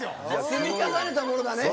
積み重ねたものがね！